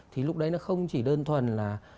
thì lúc đấy nó không chỉ đơn thuần là